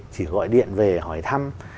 chỉ gọi điện về hỏi thăm